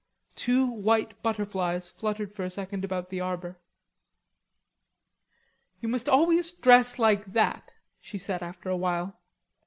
Two white butterflies fluttered for a second about the arbor. "You must always dress like that," she said after a while.